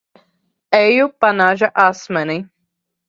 Eju pa naža asmeni.